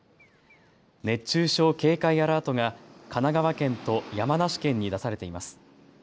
熱中症警戒アラートが神奈川県と山梨県に出されています。